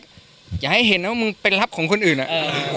ไอหน้าอย่าให้เห็นว่าเป็นลัฟของคนอื่นน่ะ